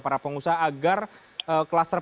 para pengusaha agar kluster